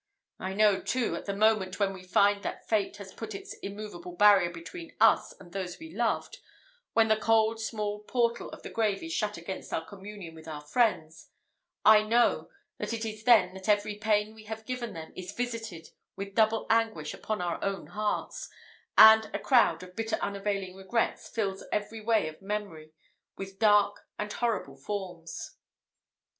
I know, too, at the moment when we find that fate has put its immoveable barrier between us and those we loved when the cold small portal of the grave is shut against our communion with our friends I know that it is then that every pain we have given them is visited with double anguish upon our own hearts, and a crowd of bitter, unavailing regrets fills every way of memory with dark and horrible forms."